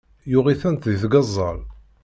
Yuɣ-itent di tgeẓẓal.